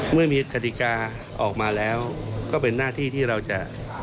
เมื่อมีกฎิกาออกมาแล้วก็เป็นหน้าที่ที่เราจะ